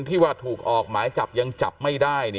ที่ว่าถูกออกหมายจับยังจับไม่ได้